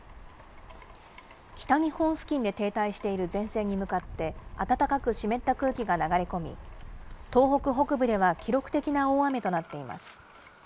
北日本付近で停滞している前線に向かって、暖かく湿った空気が流れ込み、東北北部では記録的な大雨となっています。